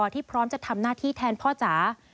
ที่พร้อมจะทำหน้าที่แทนพ่อจ๋า